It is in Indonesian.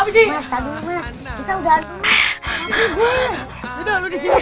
jangan biarin aja